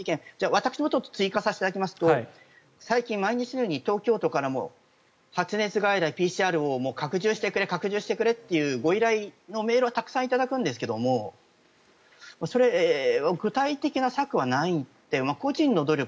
私が追加させていただきますと最近、毎日のように東京都から発熱外来、ＰＣＲを拡充してくれというご依頼のメールはたくさん頂くんですけどそれ、具体的な策はなくて個人の努力